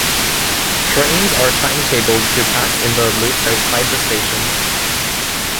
Trains are timetabled to pass in the loop outside the station.